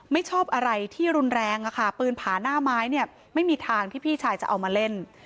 ไม่ชอบอะไรที่รุนแรงอะค่ะปืนผาหน้าไม้เนี่ยไม่มีทางที่พี่ชายจะเอามาเล่น